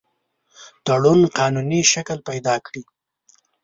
تړون قانوني شکل پیدا کړي.